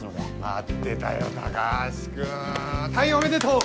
待ってたよ高橋君退院おめでとう！